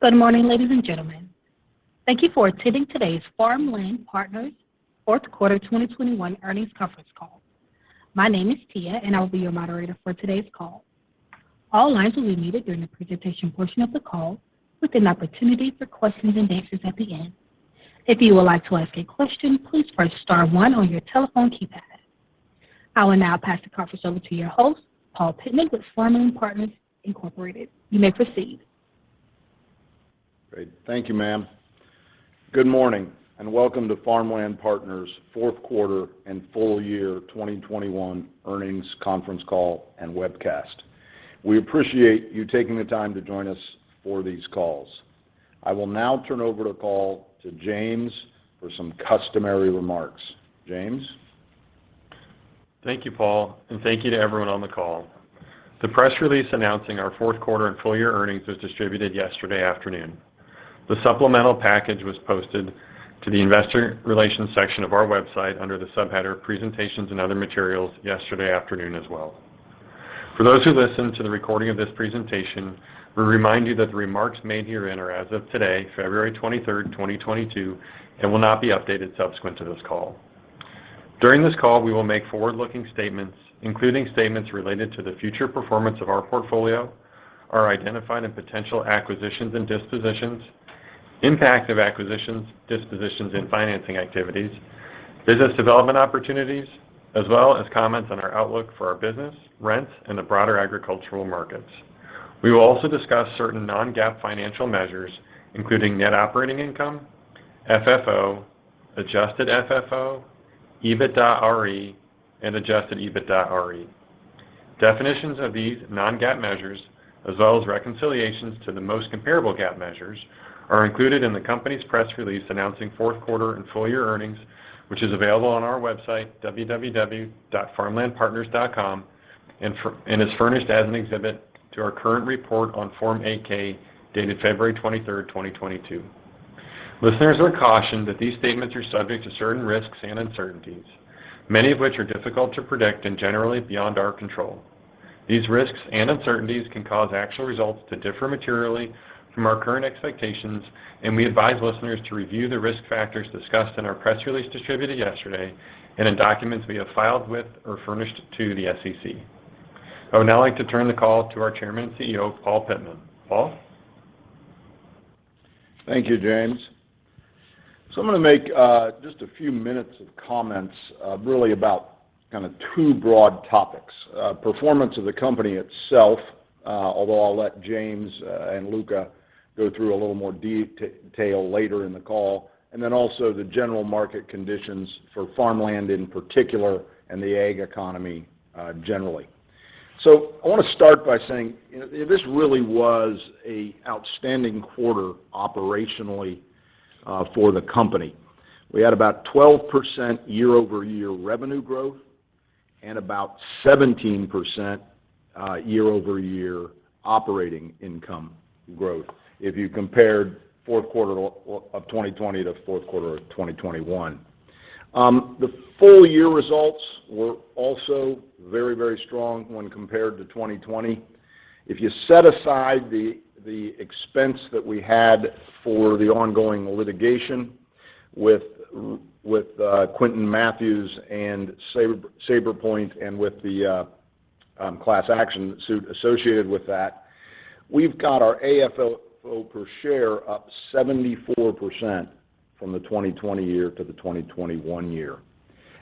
Good morning, ladies and gentlemen. Thank you for attending today's Farmland Partners fourth quarter 2021 earnings conference call. My name is Tia, and I'll be your moderator for today's call. All lines will be muted during the presentation portion of the call, with an opportunity for questions and answers at the end. If you would like to ask a question, please press star one on your telephone keypad. I will now pass the conference over to your host, Paul Pittman, with Farmland Partners Inc. You may proceed. Great. Thank you, ma'am. Good morning, and welcome to Farmland Partners fourth quarter and full year 2021 earnings conference call and webcast. We appreciate you taking the time to join us for these calls. I will now turn over the call to James for some customary remarks. James. Thank you, Paul, and thank you to everyone on the call. The press release announcing our fourth quarter and full year earnings was distributed yesterday afternoon. The supplemental package was posted to the investor relations section of our website under the subheader Presentations and Other Materials yesterday afternoon as well. For those who listen to the recording of this presentation, we remind you that the remarks made herein are as of today, February 23, 2022, and will not be updated subsequent to this call. During this call, we will make forward-looking statements, including statements related to the future performance of our portfolio, our identified and potential acquisitions and dispositions, impact of acquisitions, dispositions, and financing activities, business development opportunities, as well as comments on our outlook for our business, rents, and the broader agricultural markets. We will also discuss certain non-GAAP financial measures, including net operating income, FFO, adjusted FFO, EBITDAre, and adjusted EBITDAre. Definitions of these non-GAAP measures, as well as reconciliations to the most comparable GAAP measures, are included in the company's press release announcing fourth quarter and full year earnings, which is available on our website, www.farmlandpartners.com, and is furnished as an exhibit to our current report on Form 8-K, dated February 23, 2022. Listeners are cautioned that these statements are subject to certain risks and uncertainties, many of which are difficult to predict and generally beyond our control. These risks and uncertainties can cause actual results to differ materially from our current expectations, and we advise listeners to review the risk factors discussed in our press release distributed yesterday and in documents we have filed with or furnished to the SEC. I would now like to turn the call to our Chairman and CEO, Paul Pittman. Paul? Thank you, James. I'm gonna make just a few minutes of comments really about kinda two broad topics. Performance of the company itself, although I'll let James and Luca go through a little more detail later in the call, and then also the general market conditions for farmland in particular and the ag economy generally. I wanna start by saying this really was an outstanding quarter operationally for the company. We had about 12% year-over-year revenue growth and about 17% year-over-year operating income growth if you compared fourth quarter of 2020 to fourth quarter of 2021. The full year results were also very, very strong when compared to 2020. If you set aside the expense that we had for the ongoing litigation with Quinton Mathews and Sabrepoint and with the class action suit associated with that, we've got our AFFO per share up 74% from the 2020 year to the 2021 year.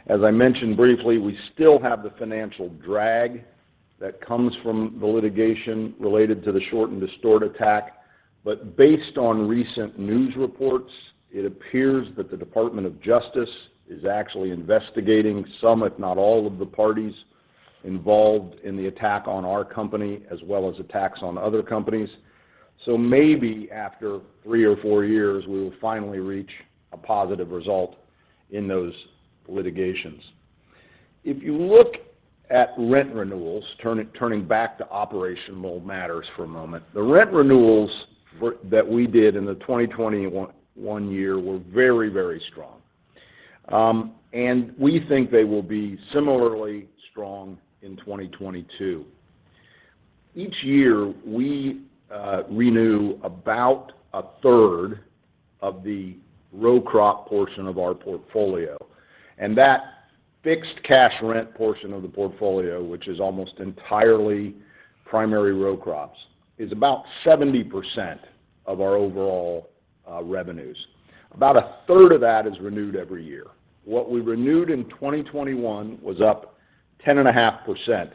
As I mentioned briefly, we still have the financial drag that comes from the litigation related to the short and distort attack. Based on recent news reports, it appears that the Department of Justice is actually investigating some, if not all, of the parties involved in the attack on our company, as well as attacks on other companies. Maybe after three or four years, we will finally reach a positive result in those litigations. If you look at rent renewals, turning back to operational matters for a moment, the rent renewals that we did in the 2021 year were very, very strong. We think they will be similarly strong in 2022. Each year, we renew about a third of the row crop portion of our portfolio. That fixed cash rent portion of the portfolio, which is almost entirely primary row crops, is about 70% of our overall revenues. About a third of that is renewed every year. What we renewed in 2021 was up 10.5%.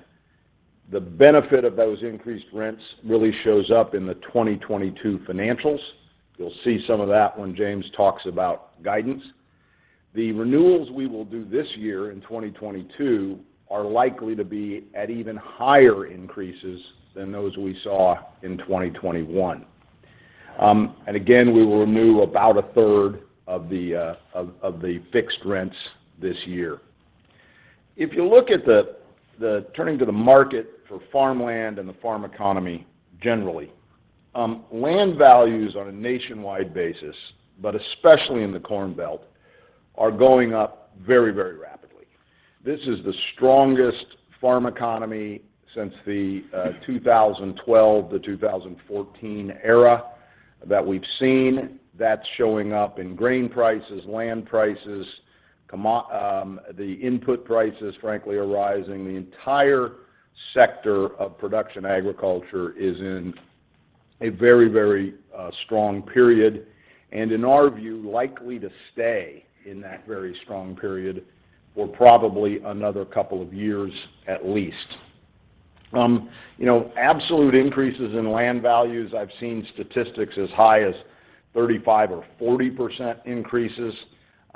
The benefit of those increased rents really shows up in the 2022 financials. You'll see some of that when James talks about guidance. The renewals we will do this year in 2022 are likely to be at even higher increases than those we saw in 2021. Again, we will renew about a third of the fixed rents this year. Turning to the market for farmland and the farm economy generally, land values on a nationwide basis, but especially in the Corn Belt, are going up very rapidly. This is the strongest farm economy since the 2012 to 2014 era that we've seen. That's showing up in grain prices, land prices, the input prices, frankly, are rising. The entire sector of production agriculture is in a very strong period, and in our view, likely to stay in that very strong period for probably another couple of years at least. You know, absolute increases in land values, I've seen statistics as high as 35% or 40% increases.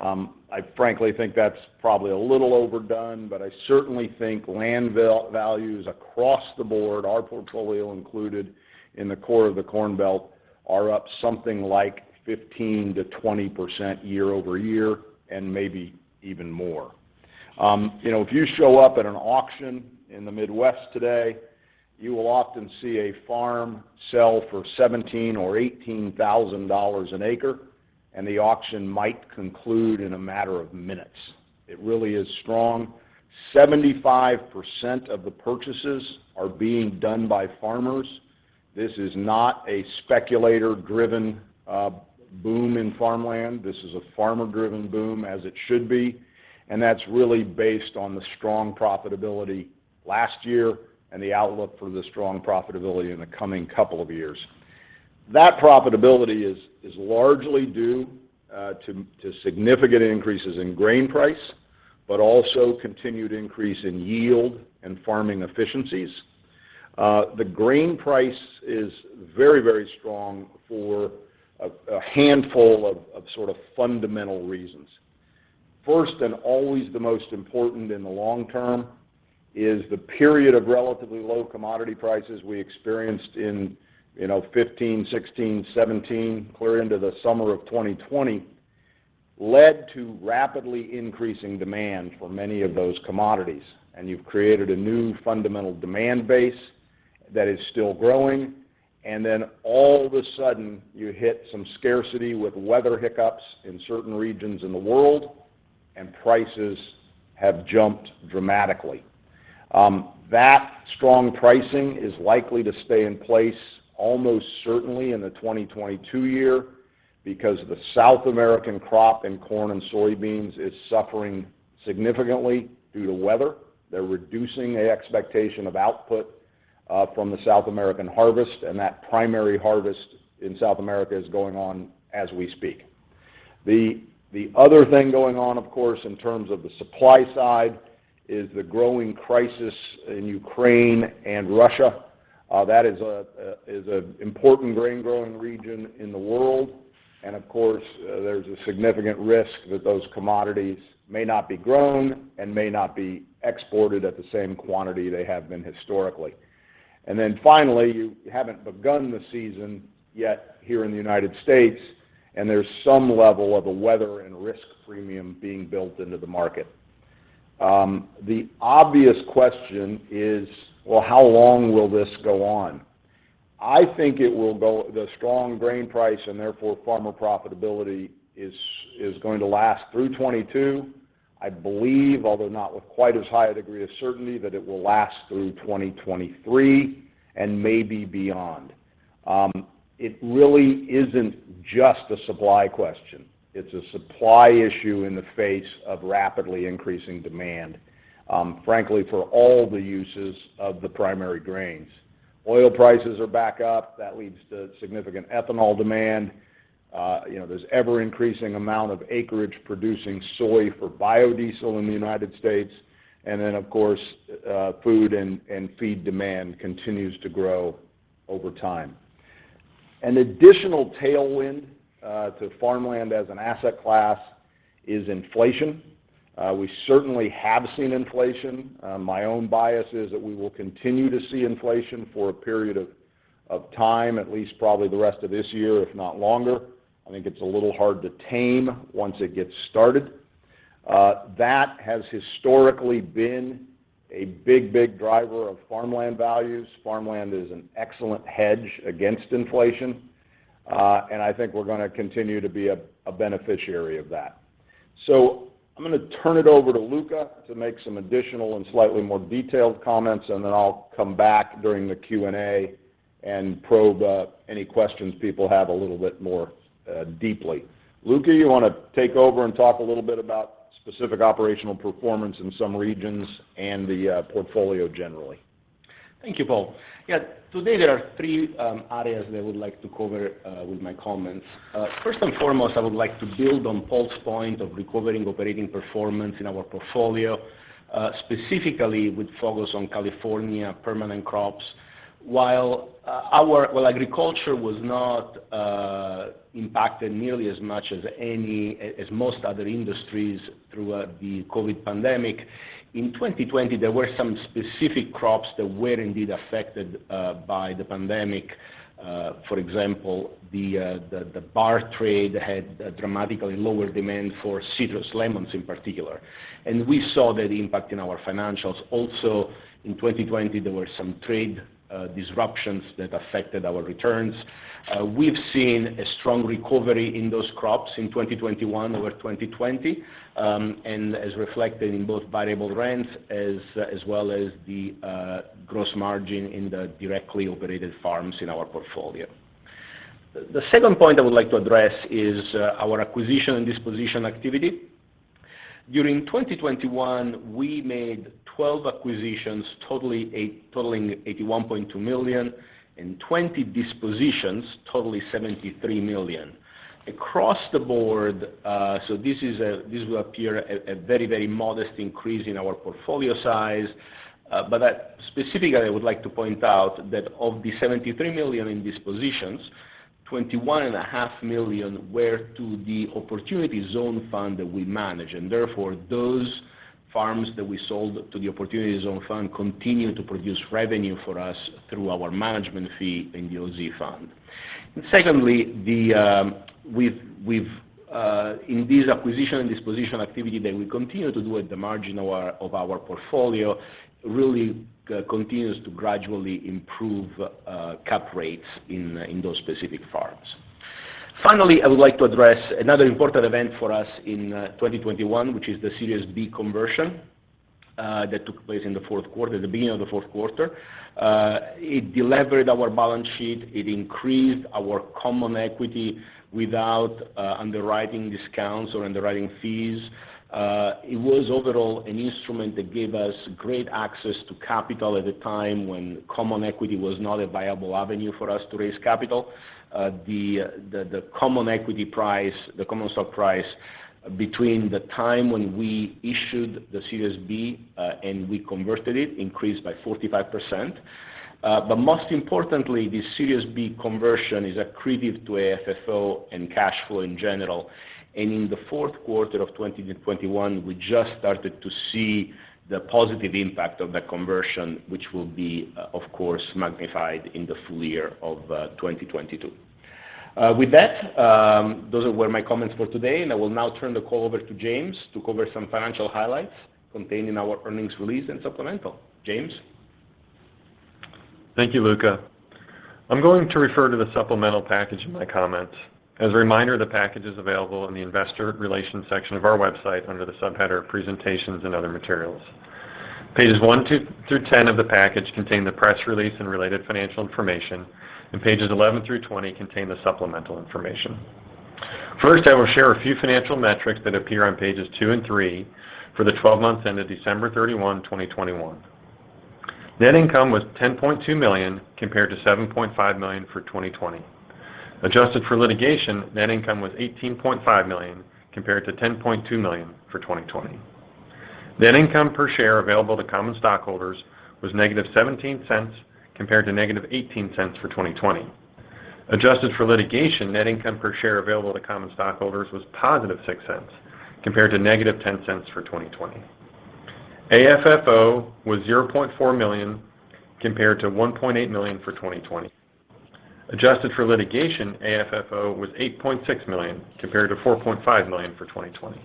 I frankly think that's probably a little overdone, but I certainly think land values across the board, our portfolio included, in the core of the Corn Belt are up something like 15%-20% year-over-year, and maybe even more. You know, if you show up at an auction in the Midwest today, you will often see a farm sell for $17,000-$18,000 an acre, and the auction might conclude in a matter of minutes. It really is strong. 75% of the purchases are being done by farmers. This is not a speculator-driven boom in farmland. This is a farmer-driven boom, as it should be, and that's really based on the strong profitability last year and the outlook for the strong profitability in the coming couple of years. That profitability is largely due to significant increases in grain price, but also continued increase in yield and farming efficiencies. The grain price is very strong for a handful of sort of fundamental reasons. First, and always the most important in the long term, is the period of relatively low commodity prices we experienced in, you know, 15, 16, 17, clear into the summer of 2020, led to rapidly increasing demand for many of those commodities. You've created a new fundamental demand base that is still growing, and then all of a sudden, you hit some scarcity with weather hiccups in certain regions in the world, and prices have jumped dramatically. That strong pricing is likely to stay in place almost certainly in the 2022 year because the South American crop in corn and soybeans is suffering significantly due to weather. They're reducing the expectation of output from the South American harvest, and that primary harvest in South America is going on as we speak. The other thing going on, of course, in terms of the supply side is the growing crisis in Ukraine and Russia. That is an important grain-growing region in the world. Of course, there's a significant risk that those commodities may not be grown and may not be exported at the same quantity they have been historically. Then finally, you haven't begun the season yet here in the United States, and there's some level of a weather and risk premium being built into the market. The obvious question is, well, how long will this go on? I think the strong grain price and therefore farmer profitability is going to last through 2022. I believe, although not with quite as high a degree of certainty, that it will last through 2023 and maybe beyond. It really isn't just a supply question. It's a supply issue in the face of rapidly increasing demand, frankly, for all the uses of the primary grains. Oil prices are back up. That leads to significant ethanol demand. You know, there's ever-increasing amount of acreage producing soy for biodiesel in the United States. Of course, food and feed demand continues to grow over time. An additional tailwind to farmland as an asset class is inflation. We certainly have seen inflation. My own bias is that we will continue to see inflation for a period of time, at least probably the rest of this year, if not longer. I think it's a little hard to tame once it gets started. That has historically been a big driver of farmland values. Farmland is an excellent hedge against inflation. I think we're gonna continue to be a beneficiary of that. I'm gonna turn it over to Luca to make some additional and slightly more detailed comments, and then I'll come back during the Q&A and probe any questions people have a little bit more deeply. Luca, you wanna take over and talk a little bit about specific operational performance in some regions and the portfolio generally? Thank you, Paul. Yeah, today there are three areas that I would like to cover with my comments. First and foremost, I would like to build on Paul's point of recovering operating performance in our portfolio, specifically with focus on California permanent crops. While agriculture was not impacted nearly as much as most other industries throughout the COVID pandemic, in 2020, there were some specific crops that were indeed affected by the pandemic. For example, the bar trade had a dramatically lower demand for citrus lemons in particular. We saw that impact in our financials. Also, in 2020, there were some trade disruptions that affected our returns. We've seen a strong recovery in those crops in 2021 over 2020, and as reflected in both variable rents as well as the gross margin in the directly operated farms in our portfolio. The second point I would like to address is our acquisition and disposition activity. During 2021, we made 12 acquisitions totaling $81.2 million, and 20 dispositions totaling $73 million. Across the board, this will appear a very modest increase in our portfolio size. But specifically, I would like to point out that of the $73 million in dispositions, twenty-one and a half million were to the opportunity zone fund that we manage. Therefore, those farms that we sold to the opportunity zone fund continue to produce revenue for us through our management fee in the OZ fund. Secondly, the we've in this acquisition and disposition activity that we continue to do at the margin of our portfolio really continues to gradually improve cap rates in those specific farms. Finally, I would like to address another important event for us in 2021, which is the Series B conversion that took place in the fourth quarter, the beginning of the fourth quarter. It delevered our balance sheet. It increased our common equity without underwriting discounts or underwriting fees. It was overall an instrument that gave us great access to capital at a time when common equity was not a viable avenue for us to raise capital. The common equity price, the common stock price between the time when we issued the Series B and we converted it increased by 45%. Most importantly, the Series B conversion is accretive to AFFO and cash flow in general. In the fourth quarter of 2021, we just started to see the positive impact of that conversion, which will be, of course, magnified in the full year of 2022. With that, those were my comments for today, and I will now turn the call over to James to cover some financial highlights contained in our earnings release and supplemental. James. Thank you, Luca. I'm going to refer to the supplemental package in my comments. As a reminder, the package is available in the investor relations section of our website under the subheader presentations and other materials. Pages one through 10 of the package contain the press release and related financial information, and pages 11 through 20 contain the supplemental information. First, I will share a few financial metrics that appear on pages two and three for the 12 months ended December 31, 2021. Net income was $10.2 million, compared to $7.5 million for 2020. Adjusted for litigation, net income was $18.5 million, compared to $10.2 million for 2020. Net income per share available to common stockholders was -$0.17 compared to -$0.18 for 2020. Adjusted for litigation, net income per share available to common stockholders was +$0.06 compared to -$0.10 for 2020. AFFO was $0.4 million compared to $1.8 million for 2020. Adjusted for litigation, AFFO was $8.6 million compared to $4.5 million for 2020.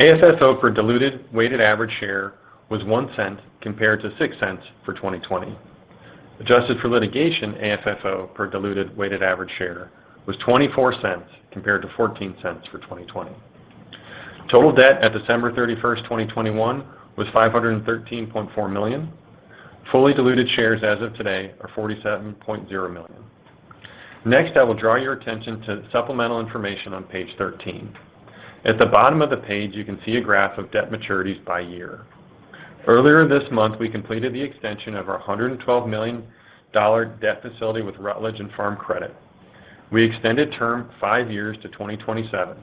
AFFO per diluted weighted average share was $0.01 compared to $0.06 for 2020. Adjusted for litigation, AFFO per diluted weighted average share was $0.24 compared to $0.14 for 2020. Total debt at December 31, 2021 was $513.4 million. Fully diluted shares as of today are 47.0 million. Next, I will draw your attention to supplemental information on page 13. At the bottom of the page, you can see a graph of debt maturities by year. Earlier this month, we completed the extension of our $112 million debt facility with Rutledge and Farm Credit. We extended term five years to 2027.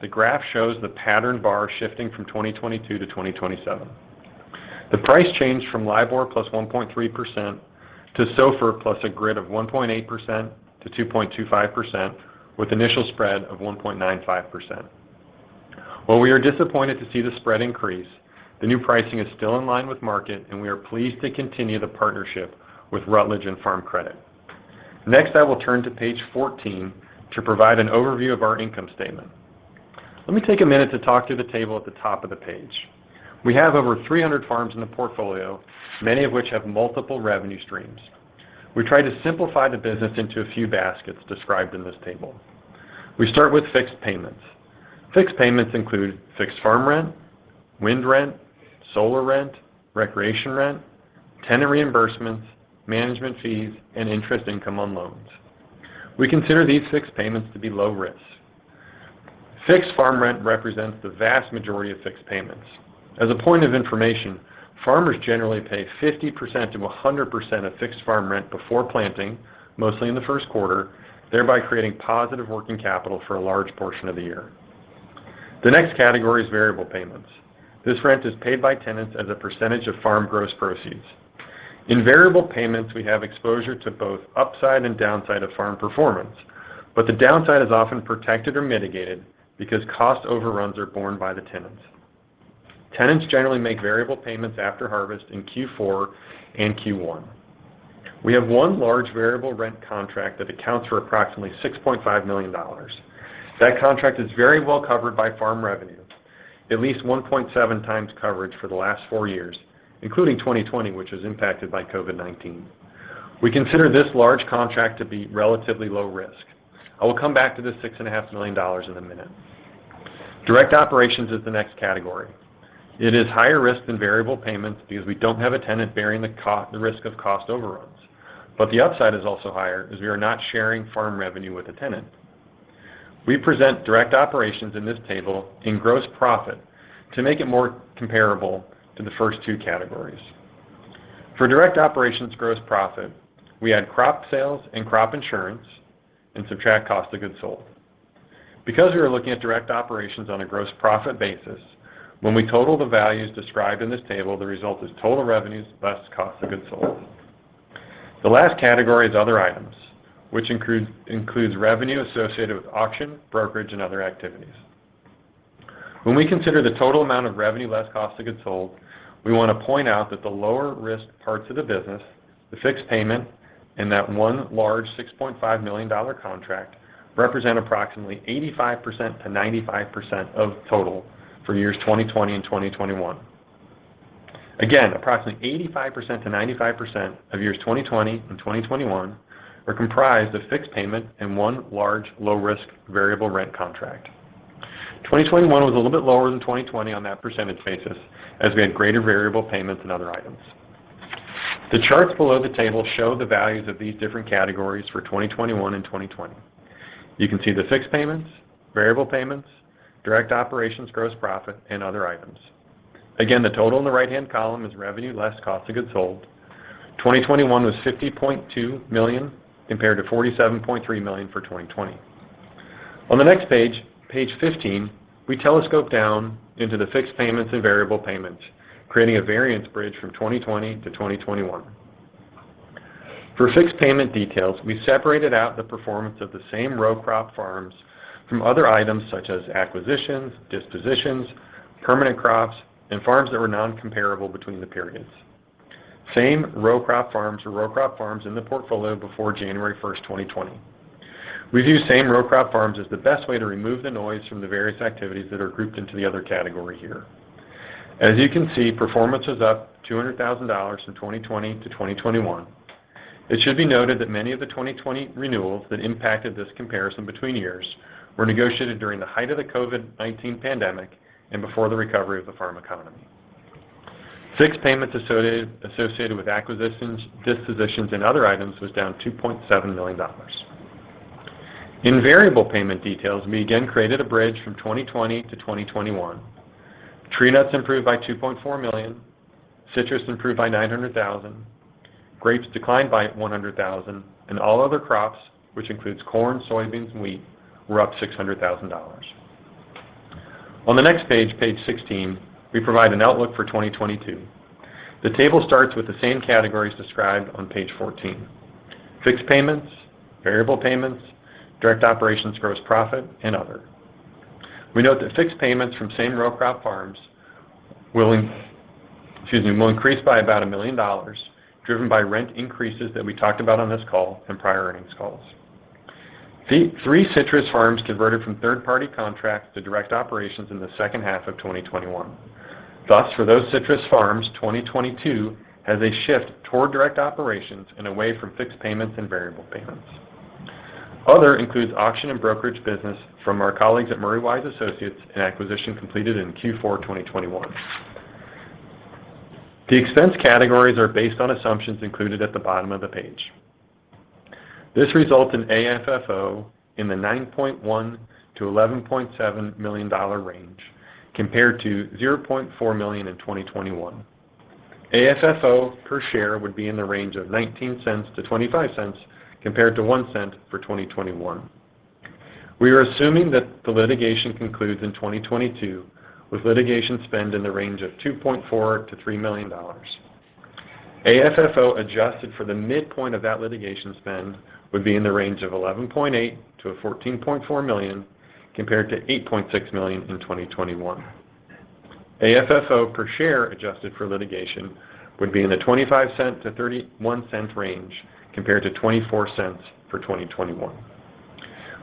The graph shows the pattern bar shifting from 2022 to 2027. The price changed from LIBOR plus 1.3% to SOFR plus a spread of 1.8%-2.25% with initial spread of 1.95%. While we are disappointed to see the spread increase, the new pricing is still in line with market, and we are pleased to continue the partnership with Rutledge and Farm Credit. Next, I will turn to page 14 to provide an overview of our income statement. Let me take a minute to talk to the table at the top of the page. We have over 300 farms in the portfolio, many of which have multiple revenue streams. We try to simplify the business into a few baskets described in this table. We start with fixed payments. Fixed payments include fixed farm rent, wind rent, solar rent, recreation rent, tenant reimbursements, management fees, and interest income on loans. We consider these fixed payments to be low risk. Fixed farm rent represents the vast majority of fixed payments. As a point of information, farmers generally pay 50%-100% of fixed farm rent before planting, mostly in the first quarter, thereby creating positive working capital for a large portion of the year. The next category is variable payments. This rent is paid by tenants as a percentage of farm gross proceeds. In variable payments, we have exposure to both upside and downside of farm performance, but the downside is often protected or mitigated because cost overruns are borne by the tenants. Tenants generally make variable payments after harvest in Q4 and Q1. We have one large variable rent contract that accounts for approximately $6.5 million. That contract is very well covered by farm revenue, at least 1.7 times coverage for the last four years, including 2020, which was impacted by COVID-19. We consider this large contract to be relatively low risk. I will come back to this $6.5 million in a minute. Direct operations is the next category. It is higher risk than variable payments because we don't have a tenant bearing the risk of cost overruns. The upside is also higher because we are not sharing farm revenue with a tenant. We present direct operations in this table in gross profit to make it more comparable to the first two categories. For direct operations gross profit, we add crop sales and crop insurance and subtract cost of goods sold. Because we are looking at direct operations on a gross profit basis, when we total the values described in this table, the result is total revenues less cost of goods sold. The last category is other items, which includes revenue associated with auction, brokerage, and other activities. When we consider the total amount of revenue less cost of goods sold, we want to point out that the lower risk parts of the business, the fixed payment, and that one large $6.5 million contract represent approximately 85%-95% of total for years 2020 and 2021. Approximately 85%-95% of years 2020 and 2021 are comprised of fixed payment and one large low-risk variable rent contract. 2021 was a little bit lower than 2020 on that percentage basis, as we had greater variable payments in other items. The charts below the table show the values of these different categories for 2021 and 2020. You can see the fixed payments, variable payments, direct operations gross profit, and other items. Again, the total in the right-hand column is revenue less cost of goods sold. 2021 was $50.2 million compared to $47.3 million for 2020. On the next page 15, we telescope down into the fixed payments and variable payments, creating a variance bridge from 2020 to 2021. For fixed payment details, we separated out the performance of the same row crop farms from other items such as acquisitions, dispositions, permanent crops, and farms that were non-comparable between the periods. Same row crop farms or row crop farms in the portfolio before January 1, 2020. We view same row crop farms as the best way to remove the noise from the various activities that are grouped into the other category here. As you can see, performance is up $200,000 from 2020 to 2021. It should be noted that many of the 2020 renewals that impacted this comparison between years were negotiated during the height of the COVID-19 pandemic and before the recovery of the farm economy. Fixed payments associated with acquisitions, dispositions, and other items was down $2.7 million. In variable payment details, we again created a bridge from 2020 to 2021. Tree nuts improved by $2.4 million, citrus improved by $900,000, grapes declined by $100,000, and all other crops, which includes corn, soybeans, and wheat, were up $600,000. On the next page 16, we provide an outlook for 2022. The table starts with the same categories described on page 14, fixed payments, variable payments, direct operations gross profit, and other. We note that fixed payments from same row crop farms will increase by about $1 million, driven by rent increases that we talked about on this call and prior earnings calls. Three citrus farms converted from third-party contracts to direct operations in the second half of 2021. Thus, for those citrus farms, 2022 has a shift toward direct operations and away from fixed payments and variable payments. Other includes auction and brokerage business from our colleagues at Murray Wise Associates, an acquisition completed in Q4 2021. The expense categories are based on assumptions included at the bottom of the page. This results in AFFO in the $9.1 million-$11.7 million range compared to $0.4 million in 2021. AFFO per share would be in the range of $0.19-$0.25 compared to $0.01 for 2021. We are assuming that the litigation concludes in 2022 with litigation spend in the range of $2.4 million-$3 million. AFFO adjusted for the midpoint of that litigation spend would be in the range of $11.8 million-$14.4 million compared to $8.6 million in 2021. AFFO per share adjusted for litigation would be in the $0.25-$0.31 range compared to $0.24 for 2021.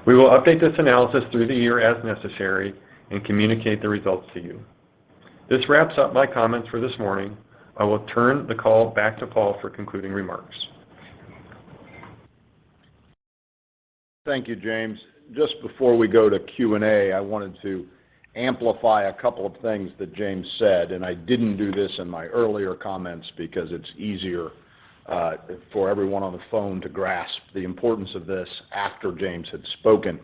We will update this analysis through the year as necessary and communicate the results to you. This wraps up my comments for this morning. I will turn the call back to Paul for concluding remarks. Thank you, James. Just before we go to Q&A, I wanted to amplify a couple of things that James said, and I didn't do this in my earlier comments because it's easier for everyone on the phone to grasp the importance of this after James had spoken.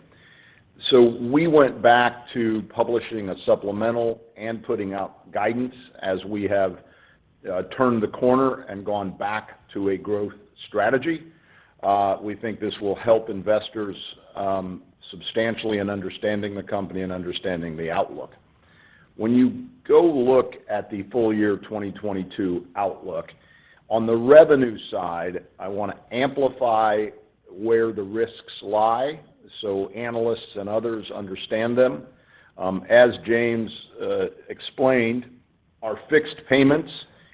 We went back to publishing a supplemental and putting out guidance as we have turned the corner and gone back to a growth strategy. We think this will help investors substantially in understanding the company and understanding the outlook. When you go look at the full year of 2022 outlook, on the revenue side, I wanna amplify where the risks lie, so analysts and others understand them. As James explained, our fixed payments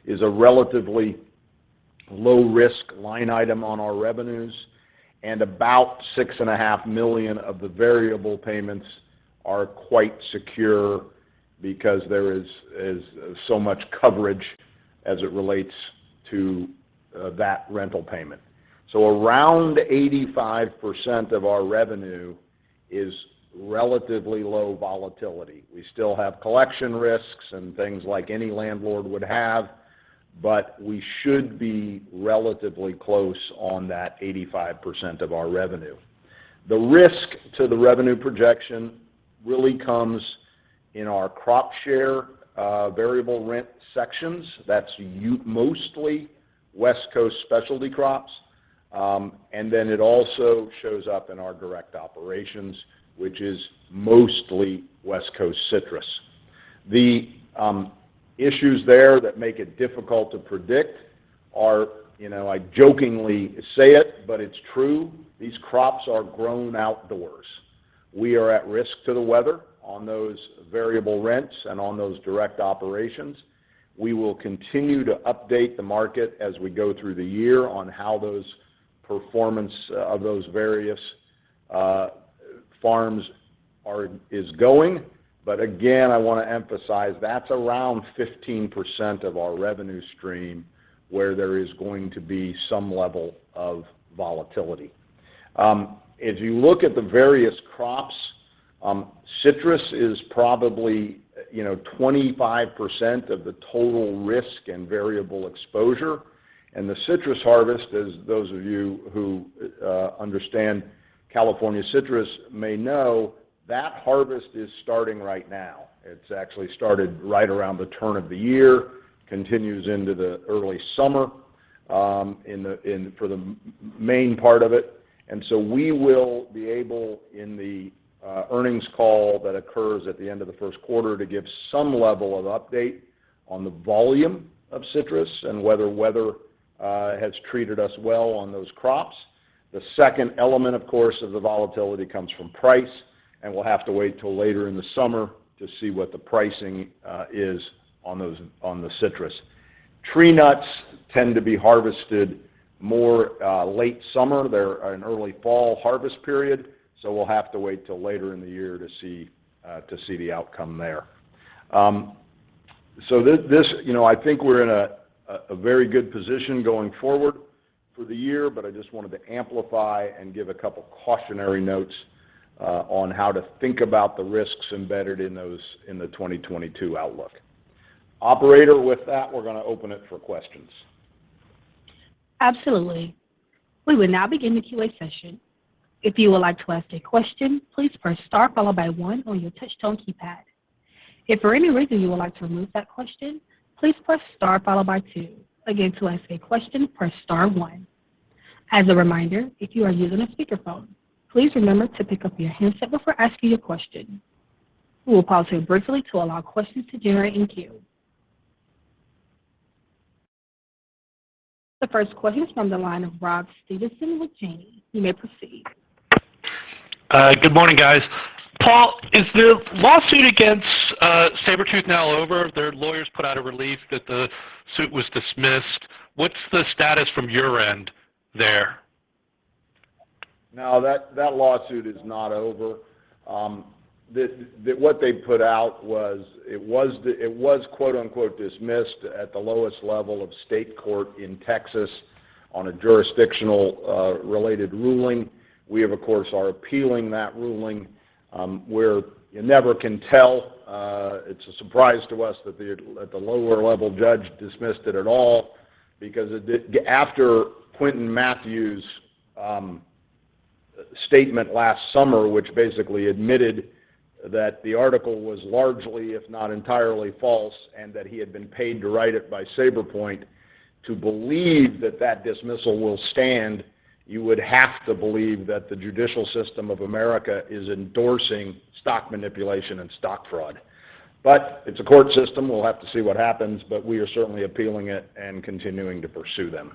is a relatively low risk line item on our revenues, and about $6.5 million of the variable payments are quite secure because there is so much coverage as it relates to that rental payment. So around 85% of our revenue is relatively low volatility. We still have collection risks and things like any landlord would have, but we should be relatively close on that 85% of our revenue. The risk to the revenue projection really comes in our crop share variable rent sections. That's mostly West Coast specialty crops, and then it also shows up in our direct operations, which is mostly West Coast citrus. The issues there that make it difficult to predict are, you know, I jokingly say it, but it's true, these crops are grown outdoors. We are at risk to the weather on those variable rents and on those direct operations. We will continue to update the market as we go through the year on how those performance of those various farms is going. Again, I wanna emphasize that's around 15% of our revenue stream where there is going to be some level of volatility. If you look at the various crops, citrus is probably, you know, 25% of the total risk and variable exposure. The citrus harvest, as those of you who understand California citrus may know, that harvest is starting right now. It's actually started right around the turn of the year, continues into the early summer, for the main part of it. We will be able, in the earnings call that occurs at the end of the first quarter, to give some level of update on the volume of citrus and whether weather has treated us well on those crops. The second element, of course, of the volatility comes from price, and we'll have to wait till later in the summer to see what the pricing is on those, on the citrus. Tree nuts tend to be harvested more late summer. They're an early fall harvest period, so we'll have to wait till later in the year to see the outcome there. So this. You know, I think we're in a very good position going forward for the year, but I just wanted to amplify and give a couple cautionary notes on how to think about the risks embedded in those, in the 2022 outlook. Operator, with that, we're gonna open it for questions. Absolutely. We will now begin the Q&A session. If you would like to ask a question, please press star followed by one on your touch tone keypad. If for any reason you would like to remove that question, please press star followed by two. Again, to ask a question, press star one. As a reminder, if you are using a speakerphone, please remember to pick up your handset before asking a question. We will pause here briefly to allow questions to generate in queue. The first question is from the line of Rob Stevenson with Janney. You may proceed. Good morning, guys. Paul, is the lawsuit against Sabrepoint now over? Their lawyers put out a release that the suit was dismissed. What's the status from your end there? No, that lawsuit is not over. What they put out was quote unquote dismissed at the lowest level of state court in Texas on a jurisdictional related ruling. We, of course, are appealing that ruling, where you never can tell. It's a surprise to us that the lower level judge dismissed it at all because after Quinton Mathews' statement last summer, which basically admitted that the article was largely, if not entirely false, and that he had been paid to write it by Sabrepoint. To believe that dismissal will stand, you would have to believe that the judicial system of America is endorsing stock manipulation and stock fraud. It's a court system. We'll have to see what happens, but we are certainly appealing it and continuing to pursue them.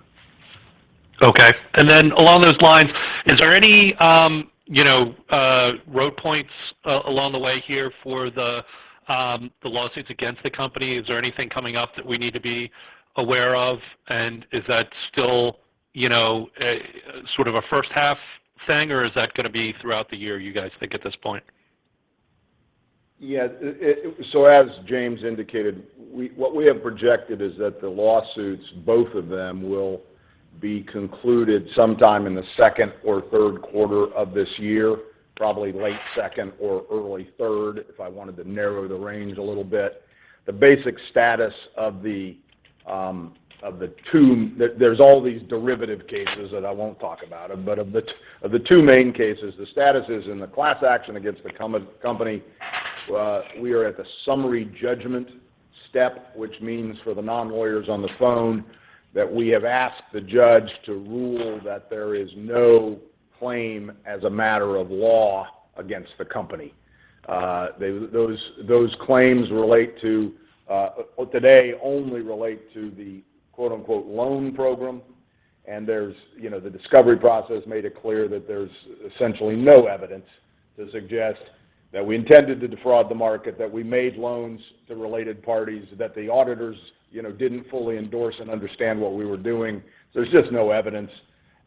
Okay. Then along those lines, is there any roadblocks along the way here for the lawsuits against the company? Is there anything coming up that we need to be aware of? Is that still, you know, a sort of a first half thing, or is that gonna be throughout the year, you guys think at this point? As James indicated, what we have projected is that the lawsuits, both of them, will be concluded sometime in the second or third quarter of this year, probably late second or early third, if I wanted to narrow the range a little bit. The basic status of the two. There's all these derivative cases that I won't talk about, but of the two main cases, the status is in the class action against the company. We are at the summary judgment step, which means for the non-lawyers on the phone, that we have asked the judge to rule that there is no claim as a matter of law against the company. Those claims relate to today only the quote-unquote "loan program." You know, the discovery process made it clear that there's essentially no evidence to suggest that we intended to defraud the market, that we made loans to related parties, that the auditors, you know, didn't fully endorse and understand what we were doing. There's just no evidence,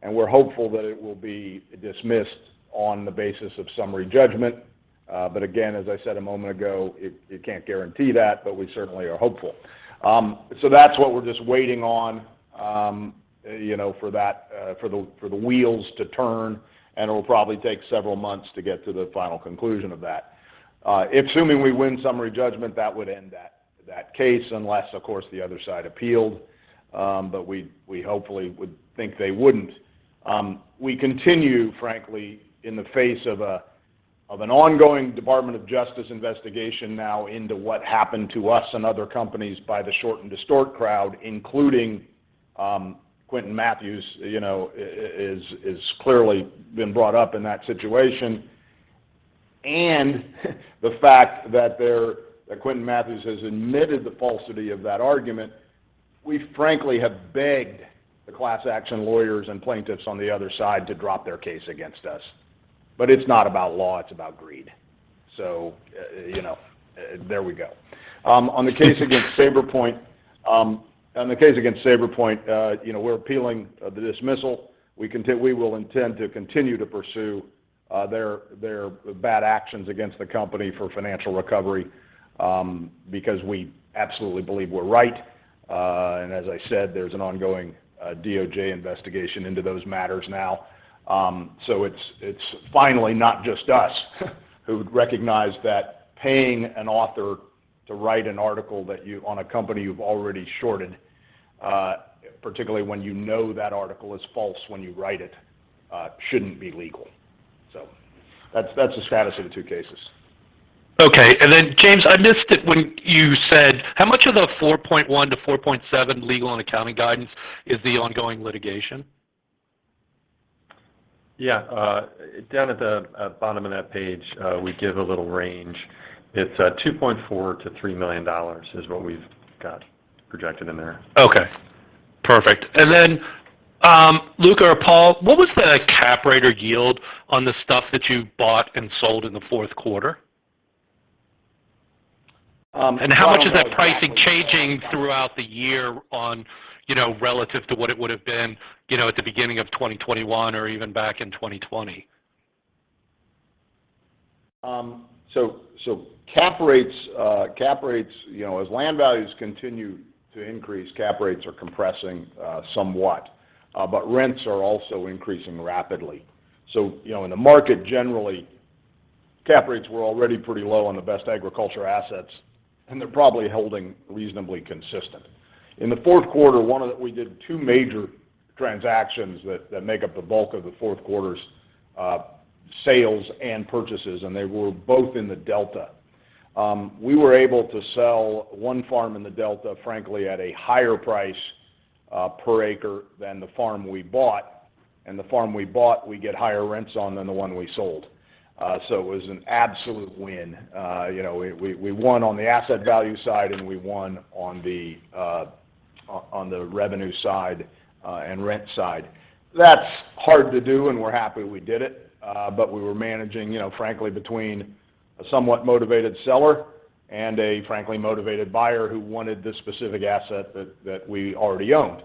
and we're hopeful that it will be dismissed on the basis of summary judgment. Again, as I said a moment ago, you can't guarantee that, but we certainly are hopeful. That's what we're just waiting on, you know, for the wheels to turn, and it'll probably take several months to get to the final conclusion of that. Assuming we win summary judgment, that would end that case, unless, of course, the other side appealed. We hopefully would think they wouldn't. We continue, frankly, in the face of an ongoing Department of Justice investigation now into what happened to us and other companies by the short and distort crowd, including Quentin Matthews, you know, is clearly been brought up in that situation. The fact that Quentin Matthews has admitted the falsity of that argument, we frankly have begged the class action lawyers and plaintiffs on the other side to drop their case against us. It's not about law, it's about greed. You know, there we go. On the case against Sabrepoint, we're appealing the dismissal. We will intend to continue to pursue their bad actions against the company for financial recovery, because we absolutely believe we're right. As I said, there's an ongoing DOJ investigation into those matters now. It's finally not just us who recognize that paying an author to write an article on a company you've already shorted, particularly when you know that article is false when you write it, shouldn't be legal. That's the status of the two cases. Okay. James, I missed it when you said how much of the $4.1-$4.7 legal and accounting guidance is the ongoing litigation? Yeah. Down at the bottom of that page, we give a little range. It's $2.4 million-$3 million is what we've got projected in there. Okay. Perfect. Luca or Paul, what was the cap rate or yield on the stuff that you bought and sold in the fourth quarter? How much is that pricing changing throughout the year on, you know, relative to what it would have been, you know, at the beginning of 2021 or even back in 2020? Cap rates, you know, as land values continue to increase, cap rates are compressing somewhat. Rents are also increasing rapidly. You know, in the market generally, cap rates were already pretty low on the best agriculture assets, and they're probably holding reasonably consistent. In the fourth quarter, we did two major transactions that make up the bulk of the fourth quarter's sales and purchases, and they were both in the Delta. We were able to sell one farm in the Delta, frankly, at a higher price per acre than the farm we bought, and the farm we bought, we get higher rents on than the one we sold. It was an absolute win. You know, we won on the asset value side, and we won on the revenue side and rent side. That's hard to do, and we're happy we did it. We were managing, you know, frankly between a somewhat motivated seller and a frankly motivated buyer who wanted this specific asset that we already owned.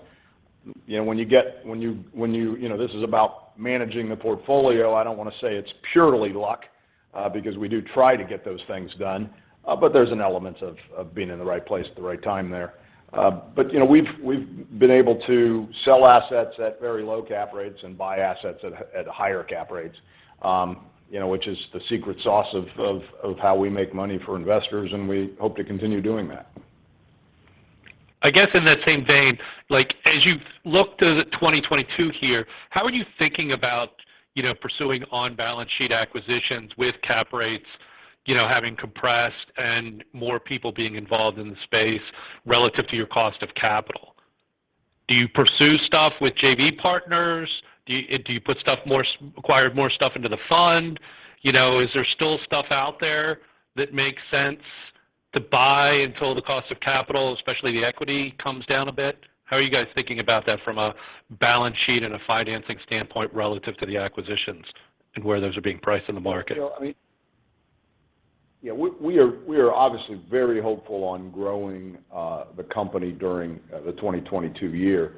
You know, this is about managing the portfolio. I don't wanna say it's purely luck because we do try to get those things done. There's an element of being in the right place at the right time there. You know, we've been able to sell assets at very low cap rates and buy assets at higher cap rates, you know, which is the secret sauce of how we make money for investors, and we hope to continue doing that. I guess in that same vein, like, as you look to 2022 here, how are you thinking about, you know, pursuing on-balance sheet acquisitions with cap rates, you know, having compressed and more people being involved in the space relative to your cost of capital? Do you pursue stuff with JV partners? Do you acquire more stuff into the fund? You know, is there still stuff out there that makes sense to buy until the cost of capital, especially the equity, comes down a bit? How are you guys thinking about that from a balance sheet and a financing standpoint relative to the acquisitions and where those are being priced in the market? You know, I mean. Yeah, we are obviously very hopeful on growing the company during the 2022 year.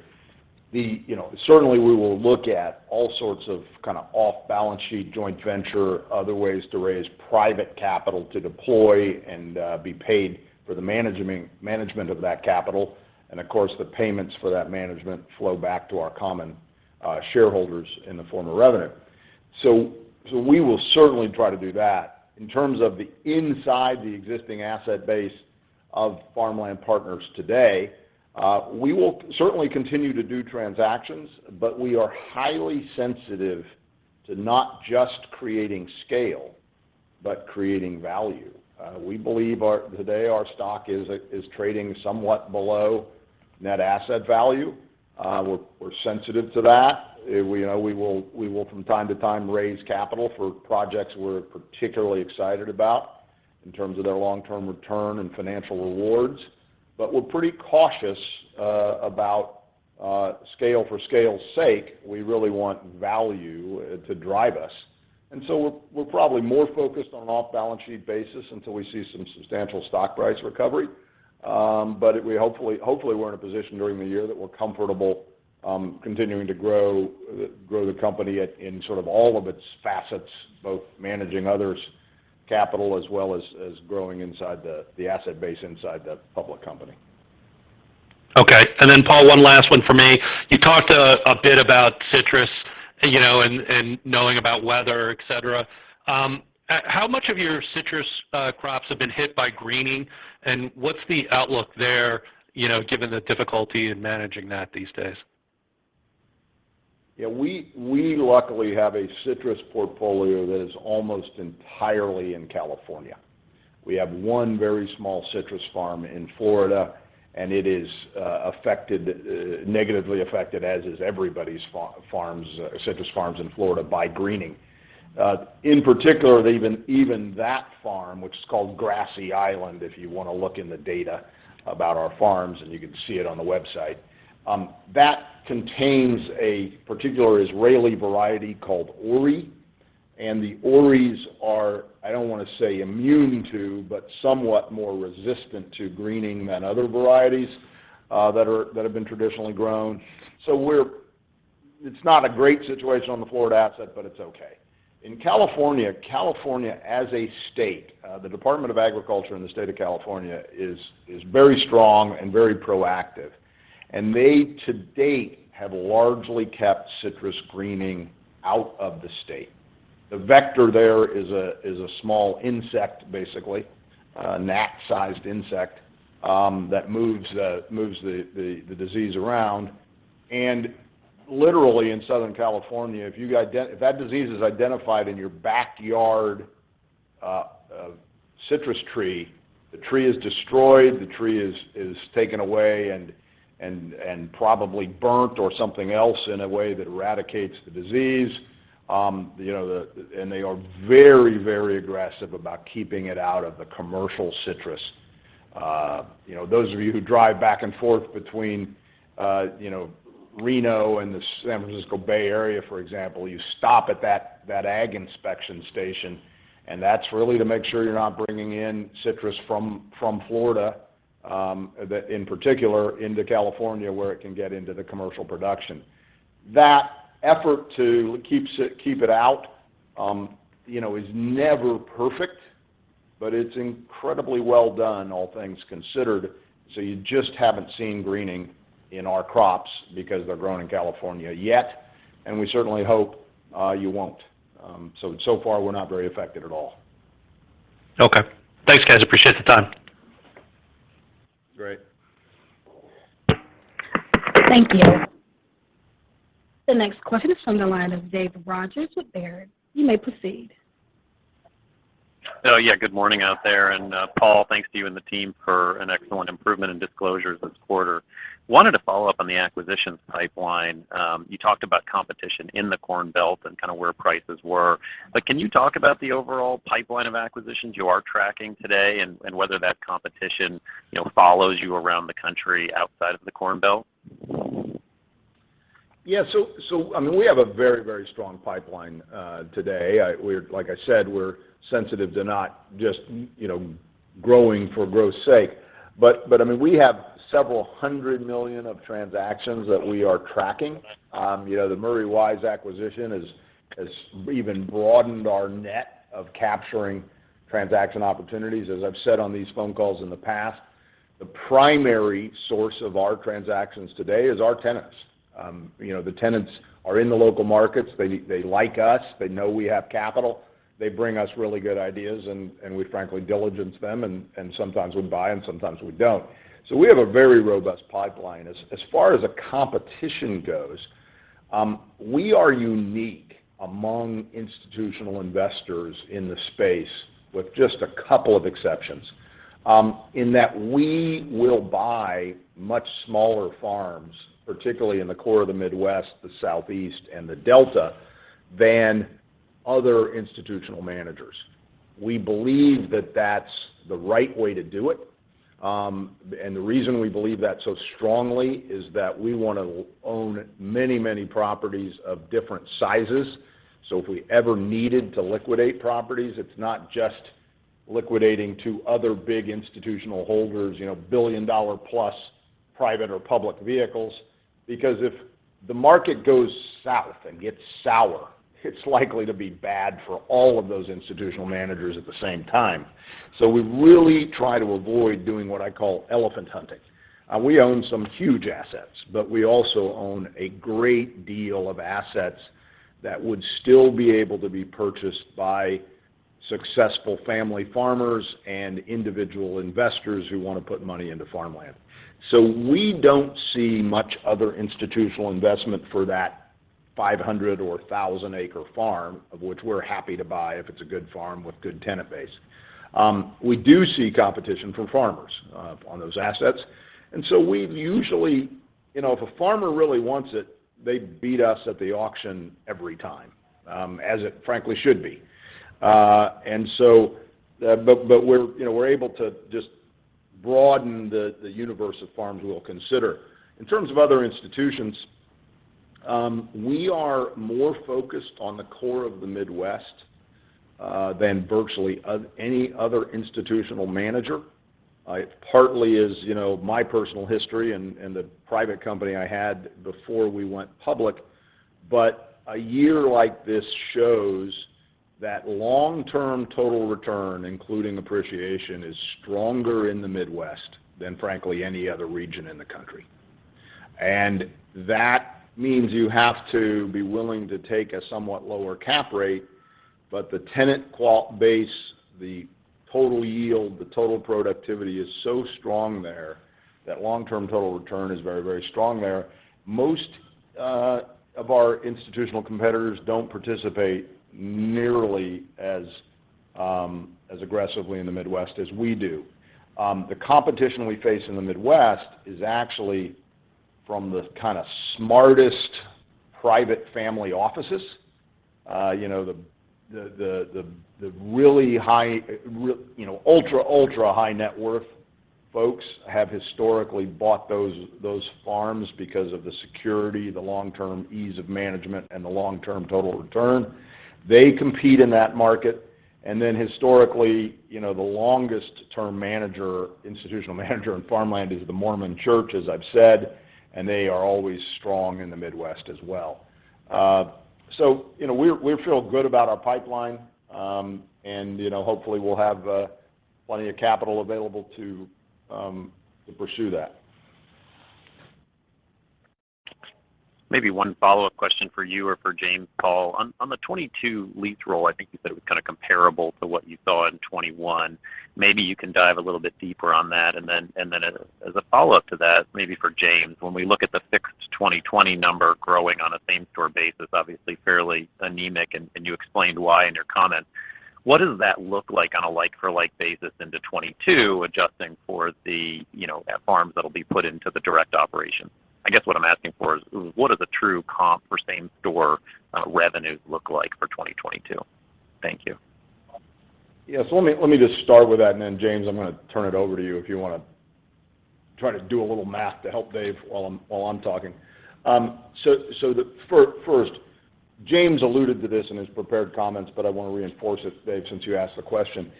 You know, certainly, we will look at all sorts of kind of off-balance sheet, joint venture, other ways to raise private capital to deploy and be paid for the management of that capital. Of course, the payments for that management flow back to our common shareholders in the form of revenue. We will certainly try to do that. In terms of inside the existing asset base of Farmland Partners today, we will certainly continue to do transactions, but we are highly sensitive to not just creating scale, but creating value. We believe today our stock is trading somewhat below net asset value. We're sensitive to that. You know, we will from time to time raise capital for projects we're particularly excited about in terms of their long-term return and financial rewards. We're pretty cautious about scale for scale's sake. We really want value to drive us. We're probably more focused on off-balance sheet basis until we see some substantial stock price recovery. Hopefully we're in a position during the year that we're comfortable continuing to grow the company in sort of all of its facets, both managing others' capital as well as growing inside the asset base inside the public company. Okay. Paul, one last one for me. You talked a bit about citrus, you know, and knowing about weather, et cetera. How much of your citrus crops have been hit by greening, and what's the outlook there, you know, given the difficulty in managing that these days? Yeah, we luckily have a citrus portfolio that is almost entirely in California. We have one very small citrus farm in Florida, and it is negatively affected, as is everybody's farms, citrus farms in Florida, by greening. In particular, even that farm, which is called Grassy Island, if you wanna look in the data about our farms, and you can see it on the website, that contains a particular Israeli variety called Orri. The Orri are, I don't wanna say immune to, but somewhat more resistant to greening than other varieties that have been traditionally grown. It's not a great situation on the Florida asset, but it's okay. In California as a state, the Department of Agriculture in the state of California is very strong and very proactive. They, to date, have largely kept citrus greening out of the state. The vector there is a small insect, basically, a gnat-sized insect, that moves the disease around. Literally in Southern California, if that disease is identified in your backyard citrus tree, the tree is destroyed, the tree is taken away, and probably burnt or something else in a way that eradicates the disease. They are very aggressive about keeping it out of the commercial citrus. You know, those of you who drive back and forth between, you know, Reno and the San Francisco Bay Area, for example, you stop at that ag inspection station, and that's really to make sure you're not bringing in citrus from Florida, that in particular into California where it can get into the commercial production. That effort to keep it out, you know, is never perfect, but it's incredibly well done, all things considered. You just haven't seen greening in our crops because they're grown in California yet, and we certainly hope you won't. So far we're not very affected at all. Okay. Thanks guys, appreciate the time. Great. Thank you. The next question is from the line of Dave Rogers with Baird. You may proceed. Oh yeah, good morning out there. Paul, thanks to you and the team for an excellent improvement in disclosures this quarter. Wanted to follow up on the acquisitions pipeline. You talked about competition in the Corn Belt and kinda where prices were. Can you talk about the overall pipeline of acquisitions you are tracking today and whether that competition, you know, follows you around the country outside of the Corn Belt? Yeah. I mean, we have a very strong pipeline today. Like I said, we're sensitive to not just, you know, growing for growth's sake. I mean, we have $several hundred million of transactions that we are tracking. You know, the Murray Wise acquisition has even broadened our net of capturing transaction opportunities. As I've said on these phone calls in the past, the primary source of our transactions today is our tenants. You know, the tenants are in the local markets. They like us. They know we have capital. They bring us really good ideas and we frankly diligence them and sometimes we buy and sometimes we don't. We have a very robust pipeline. As far as the competition goes, we are unique among institutional investors in this space, with just a couple of exceptions, in that we will buy much smaller farms, particularly in the core of the Midwest, the Southeast, and the Delta, than other institutional managers. We believe that that's the right way to do it. The reason we believe that so strongly is that we want to own many, many properties of different sizes. If we ever needed to liquidate properties, it's not just liquidating to other big institutional holders, you know, billion-dollar-plus private or public vehicles. Because if the market goes south and gets sour, it's likely to be bad for all of those institutional managers at the same time. We really try to avoid doing what I call elephant hunting. We own some huge assets, but we also own a great deal of assets that would still be able to be purchased by successful family farmers and individual investors who wanna put money into farmland. We don't see much other institutional investment for that 500- or 1,000-acre farm, of which we're happy to buy if it's a good farm with good tenant base. We do see competition from farmers on those assets. You know, if a farmer really wants it, they beat us at the auction every time, as it frankly should be. But you know, we're able to just broaden the universe of farms we'll consider. In terms of other institutions, we are more focused on the core of the Midwest than virtually any other institutional manager. It partly is, you know, my personal history and the private company I had before we went public. A year like this shows that long-term total return, including appreciation, is stronger in the Midwest than frankly any other region in the country. That means you have to be willing to take a somewhat lower cap rate, but the tenant quality base, the total yield, the total productivity is so strong there that long-term total return is very, very strong there. Most of our institutional competitors don't participate nearly as aggressively in the Midwest as we do. The competition we face in the Midwest is actually from the kind of smartest private family offices. You know, the really high, you know, ultra-high net worth folks have historically bought those farms because of the security, the long-term ease of management, and the long-term total return. They compete in that market. Historically, you know, the longest term manager, institutional manager in farmland is the Mormon Church, as I've said, and they are always strong in the Midwest as well. You know, we feel good about our pipeline, and, you know, hopefully we'll have plenty of capital available to pursue that. Maybe one follow-up question for you or for James, Paul. On the 2022 lease roll, I think you said it was kind of comparable to what you saw in 2021. Maybe you can dive a little bit deeper on that. As a follow-up to that, maybe for James, when we look at the fixed 2020 number growing on a same-store basis, obviously fairly anemic, you explained why in your comment, what does that look like on a like for like basis into 2022 adjusting for the, you know, farms that'll be put into the direct operation? I guess what I'm asking for is, what are the true comp for same store, revenue look like for 2022? Thank you. Yeah. Let me just start with that, and then James, I'm gonna turn it over to you if you wanna try to do a little math to help Dave while I'm talking. First, James alluded to this in his prepared comments, but I wanna reinforce it, Dave, since you asked the question.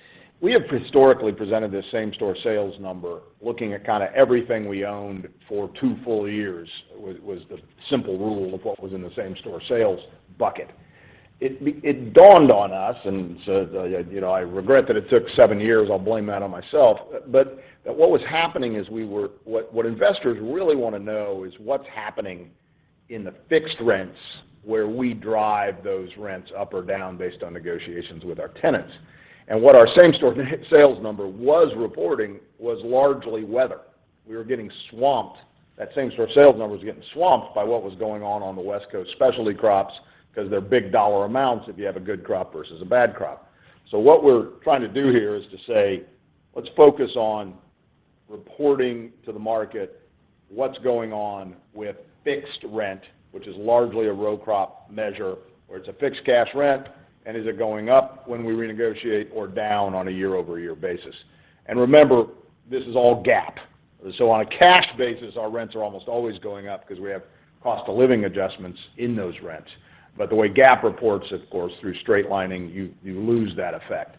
We have historically presented this same store sales number looking at kinda everything we owned for two full years, was the simple rule of what was in the same store sales bucket. It dawned on us. You know, I regret that it took seven years. I'll blame that on myself. What was happening is we were What investors really wanna know is what's happening in the fixed rents where we drive those rents up or down based on negotiations with our tenants. What our same store sales number was reporting was largely weather. We were getting swamped. That same store sales number was getting swamped by what was going on on the West Coast, especially crops, 'cause they're big dollar amounts if you have a good crop versus a bad crop. What we're trying to do here is to say, let's focus on reporting to the market what's going on with fixed rent, which is largely a row crop measure, where it's a fixed cash rent, and is it going up when we renegotiate or down on a year-over-year basis. Remember, this is all GAAP. On a cash basis, our rents are almost always going up because we have cost of living adjustments in those rents. The way GAAP reports, of course, through straight lining, you lose that effect.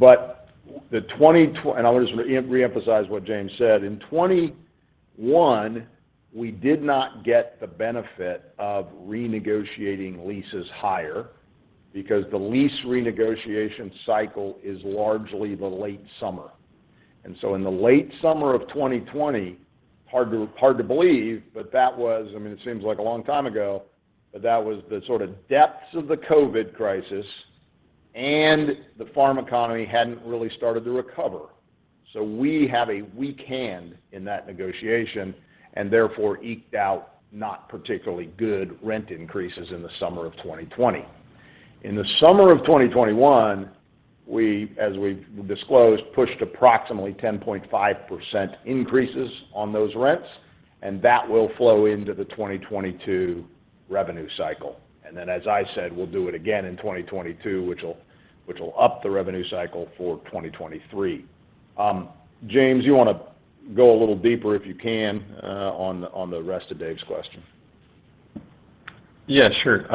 The 2022 and I'll just re-emphasize what James said. In 2021, we did not get the benefit of renegotiating leases higher because the lease renegotiation cycle is largely the late summer. In the late summer of 2020, hard to believe, but that was, I mean, it seems like a long time ago, but that was the sort of depths of the COVID crisis, and the farm economy hadn't really started to recover. We have a weak hand in that negotiation, and therefore eked out not particularly good rent increases in the summer of 2020. In the summer of 2021, we, as we've disclosed, pushed approximately 10.5% increases on those rents, and that will flow into the 2022 revenue cycle. As I said, we'll do it again in 2022, which will up the revenue cycle for 2023. James, you wanna go a little deeper, if you can, on the rest of Dave's question? Yeah, sure.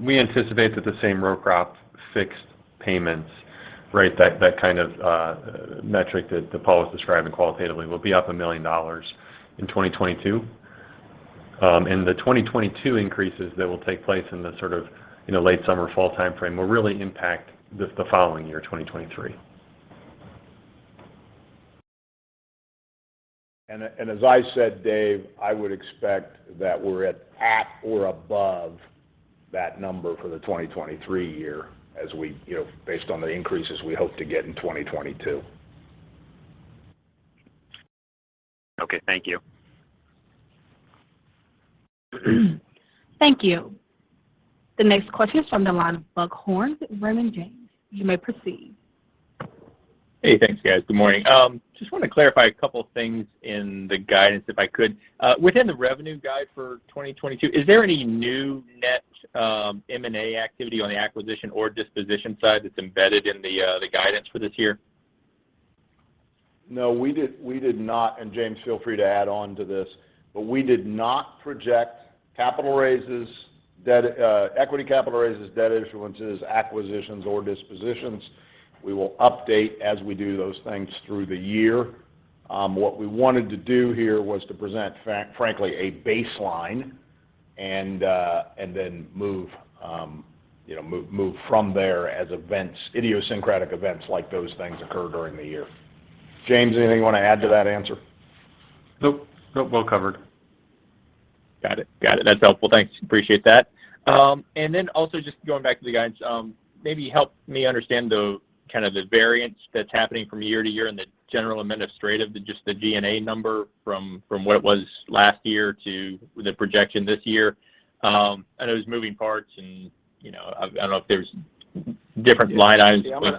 We anticipate that the same row crop fixed payments, right, that kind of metric that Paul was describing qualitatively will be up $1 million in 2022. The 2022 increases that will take place in the sort of, you know, late summer, fall timeframe will really impact the following year, 2023. As I said, Dave, I would expect that we're at or above that number for the 2023 year as we, you know, based on the increases we hope to get in 2022. Okay. Thank you. Thank you. The next question is from the line of Buck Horne, Raymond James. You may proceed. Hey, thanks guys. Good morning. Just wanna clarify a couple things in the guidance, if I could. Within the revenue guide for 2022, is there any new net M&A activity on the acquisition or disposition side that's embedded in the guidance for this year? No, we did not, and James feel free to add on to this, but we did not project capital raises, debt equity capital raises, debt issuances, acquisitions, or dispositions. We will update as we do those things through the year. What we wanted to do here was to present frankly a baseline and then move, you know, move from there as events, idiosyncratic events like those things occur during the year. James, anything you wanna add to that answer? Nope. Nope, well covered. Got it. That's helpful. Thanks. Appreciate that. Also just going back to the guidance, maybe help me understand the kind of variance that's happening from year to year in the general and administrative, just the G&A number from what it was last year to the projection this year. I know there's moving parts and, you know, I don't know if there's different line items. Yeah....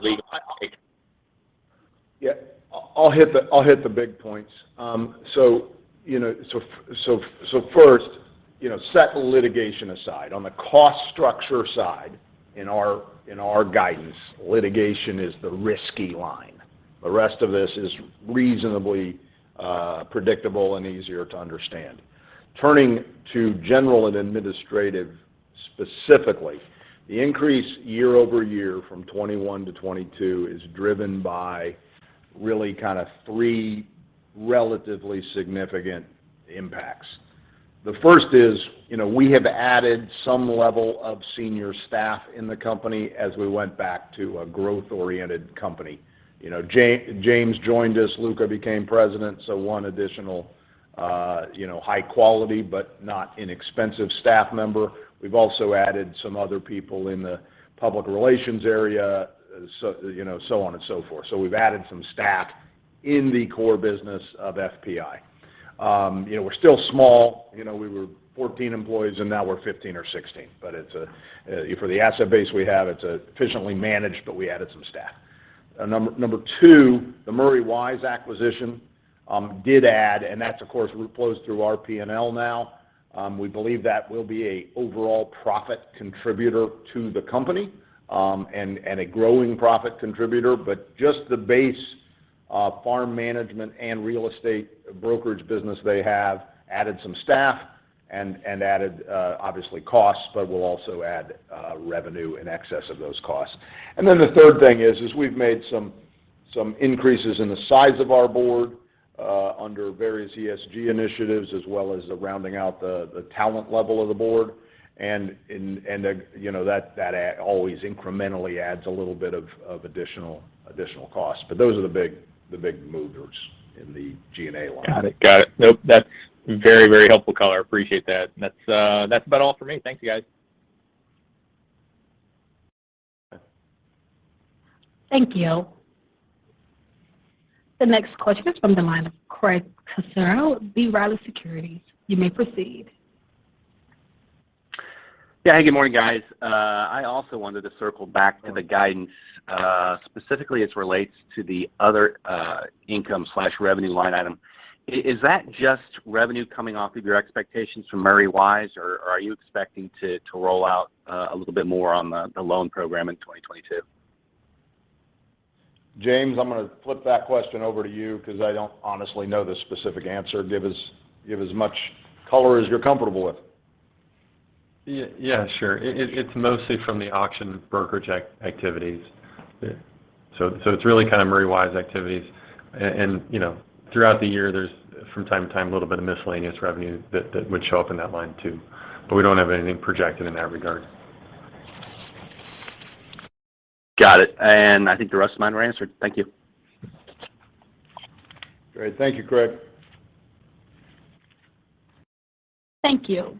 Yeah. I'll hit the big points. You know, first, set litigation aside. On the cost structure side in our guidance, litigation is the risky line. The rest of this is reasonably predictable and easier to understand. Turning to general and administrative specifically, the increase year-over-year from 2021 to 2022 is driven by really kinda three relatively significant impacts. The first is, you know, we have added some level of senior staff in the company as we went back to a growth-oriented company. You know, James joined us, Luca became president, so one additional high quality but not inexpensive staff member. We've also added some other people in the public relations area, so on and so forth. We've added some staff in the core business of FPI. You know, we're still small. You know, we were 14 employees, and now we're 15 or 16. It's for the asset base we have, it's efficiently managed, but we added some staff. Number two, the Murray Wise acquisition did add, and that's of course flows through our P&L now. We believe that will be a overall profit contributor to the company, and a growing profit contributor. Just the base farm management and real estate brokerage business they have added some staff and added obviously costs, but we'll also add revenue in excess of those costs. The third thing is we've made some increases in the size of our board under various ESG initiatives, as well as rounding out the talent level of the board. You know, that always incrementally adds a little bit of additional costs. Those are the big movers in the G&A line. Got it. Nope, that's very, very helpful color. I appreciate that. That's about all for me. Thank you, guys. Thank you. The next question is from the line of Craig Kucera, B. Riley Securities. You may proceed. Yeah. Good morning, guys. I also wanted to circle back to the guidance, specifically as it relates to the other income/revenue line item. Is that just revenue coming off of your expectations from Murray Wise or are you expecting to roll out a little bit more on the loan program in 2022? James, I'm gonna flip that question over to you, 'cause I don't honestly know the specific answer. Give as much color as you're comfortable with. Yeah, sure. It's mostly from the auction brokerage activities. It's really kinda Murray Wise activities. You know, throughout the year there's from time to time a little bit of miscellaneous revenue that would show up in that line too, but we don't have anything projected in that regard. Got it. I think the rest of mine were answered. Thank you. Great. Thank you, Craig. Thank you.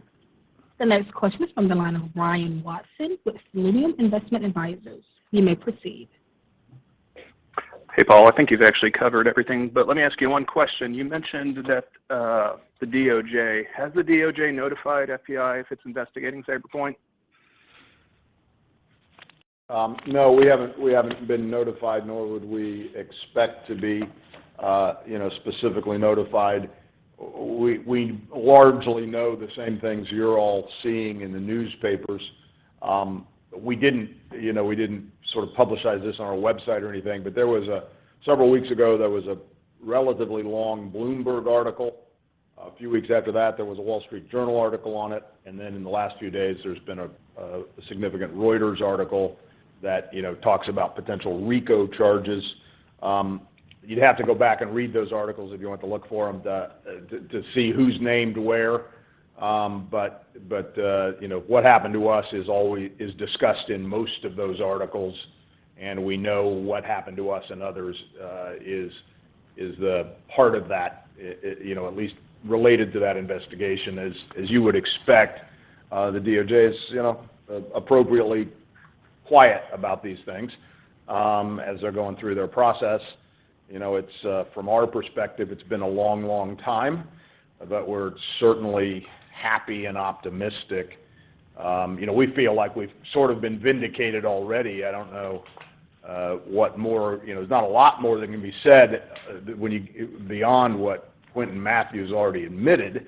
The next question is from the line of Ryan Watson with Millennium Investment Advisors. You may proceed. Hey, Paul. I think you've actually covered everything, but let me ask you one question. You mentioned that the DOJ. Has the DOJ notified FPI if it's investigating Sabrepoint? No. We haven't been notified, nor would we expect to be, you know, specifically notified. We largely know the same things you're all seeing in the newspapers. We didn't, you know, sort of publicize this on our website or anything, but several weeks ago, there was a relatively long Bloomberg article. A few weeks after that, there was a Wall Street Journal article on it. In the last few days, there's been a significant Reuters article that, you know, talks about potential RICO charges. You'd have to go back and read those articles if you want to look for them to see who's named where. You know, what happened to us is always discussed in most of those articles, and we know what happened to us and others is the part of that, you know, at least related to that investigation. As you would expect, the DOJ is, you know, appropriately quiet about these things, as they're going through their process. You know, it's from our perspective, it's been a long time, but we're certainly happy and optimistic. You know, we feel like we've sort of been vindicated already. I don't know what more. You know, there's not a lot more that can be said beyond what Quinton Mathews already admitted,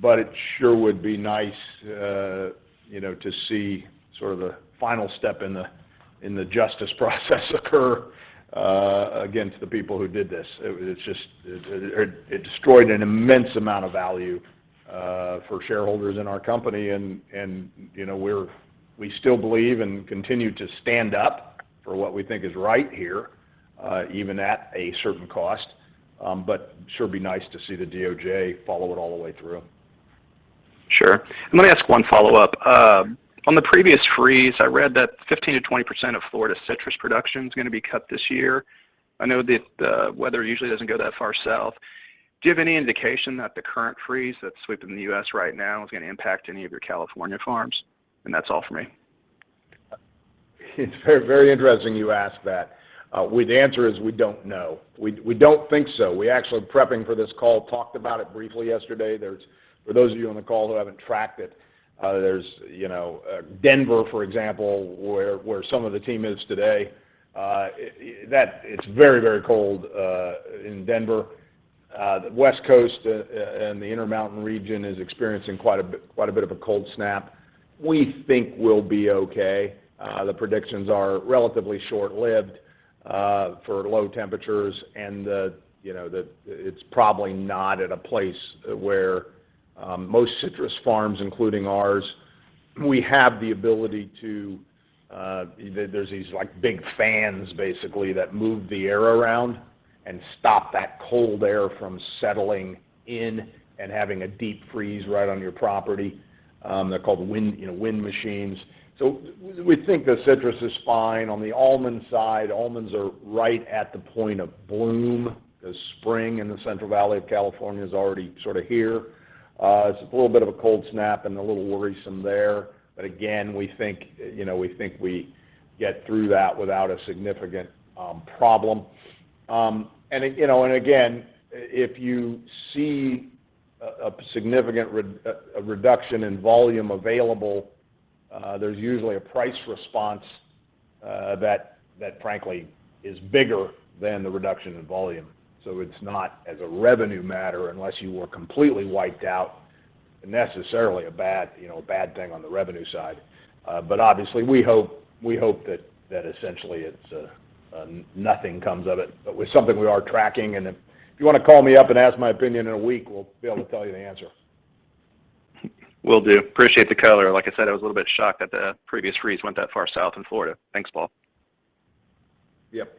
but it sure would be nice, you know, to see sort of the final step in the justice process occur against the people who did this. It's just. It destroyed an immense amount of value for shareholders in our company and, you know, we still believe and continue to stand up for what we think is right here, even at a certain cost. But sure be nice to see the DOJ follow it all the way through. Sure. Let me ask one follow-up. On the previous freeze, I read that 15%-20% of Florida citrus production is gonna be cut this year. I know the weather usually doesn't go that far south. Do you have any indication that the current freeze that's sweeping the U.S. right now is gonna impact any of your California farms? That's all for me. It's very, very interesting you ask that. Well, the answer is we don't know. We don't think so. We actually, prepping for this call, talked about it briefly yesterday. For those of you on the call who haven't tracked it, there's, you know, Denver, for example, where some of the team is today, it's very, very cold in Denver. The West Coast and the Intermountain region is experiencing quite a bit of a cold snap. We think we'll be okay. The predictions are relatively short-lived for low temperatures and, you know, it's probably not at a place where most citrus farms, including ours, we have the ability to. There are these like big fans basically that move the air around and stop that cold air from settling in and having a deep freeze right on your property. They're called wind, you know, wind machines. We think the citrus is fine. On the almond side, almonds are right at the point of bloom. The spring in the Central Valley of California is already sort of here. It's a little bit of a cold snap and a little worrisome there. Again, we think, you know, we think we get through that without a significant problem. You know, again, if you see a significant reduction in volume available, there's usually a price response that frankly is bigger than the reduction in volume. It's not, as a revenue matter, unless you were completely wiped out, necessarily a bad, you know, bad thing on the revenue side. Obviously we hope that essentially it's nothing comes of it. It's something we are tracking and if you wanna call me up and ask my opinion in a week, we'll be able to tell you the answer. Will do. Appreciate the color. Like I said, I was a little bit shocked that the previous freeze went that far south in Florida. Thanks, Paul. Yep.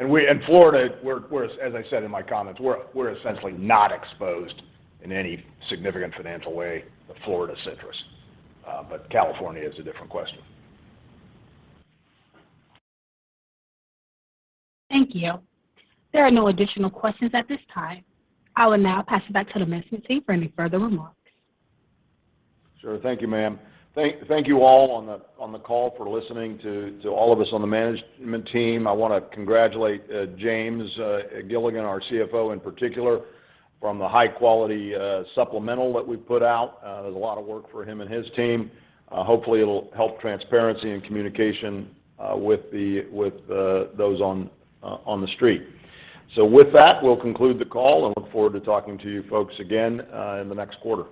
In Florida, we're as I said in my comments, we're essentially not exposed in any significant financial way to Florida citrus. California is a different question. Thank you. There are no additional questions at this time. I will now pass it back to the management team for any further remarks. Sure. Thank you, ma'am. Thank you all on the call for listening to all of us on the management team. I wanna congratulate James Gilligan, our CFO in particular, for the high quality supplemental that we put out. There's a lot of work for him and his team. Hopefully it'll help transparency and communication with those on the street. With that, we'll conclude the call and look forward to talking to you folks again in the next quarter.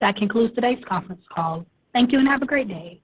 That concludes today's conference call. Thank you and have a great day.